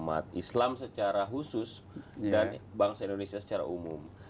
aku strategi adaptivitas diawan menjadi manfaat penjelasan